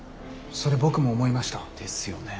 それ僕も思いました。ですよね。